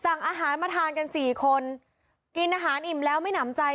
สั่งอาหารมาทานกันสี่คนกินอาหารอิ่มแล้วไม่หนำใจ